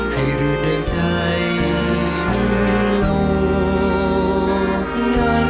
ให้รืดเดินทางโลกนั้น